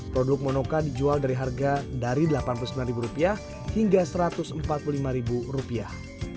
produk monoka dijual dari harga dari delapan puluh sembilan rupiah hingga satu ratus empat puluh lima rupiah